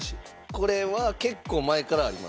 これは結構前からあります。